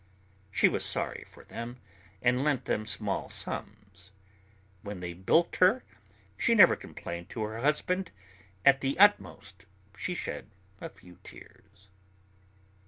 She was sorry for them and lent them small sums. When they bilked her, she never complained to her husband; at the utmost she shed a few tears.